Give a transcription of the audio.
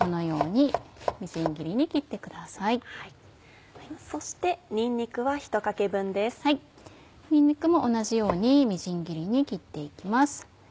にんにくも同じようにみじん切りに切って行きます。